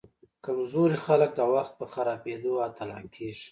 کمزوري خلک د وخت په خرابیدو اتلان کیږي.